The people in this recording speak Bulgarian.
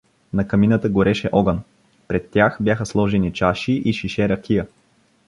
На камината гореше огън, пред тях бяха сложени чаши и шише ракия.